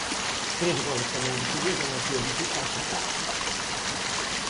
Tres goles tamén do Sevilla na súa visita a Xetafe.